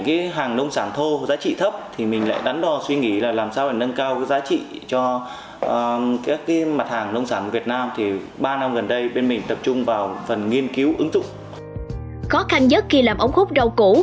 khó khăn nhất khi làm ống hút rau cũ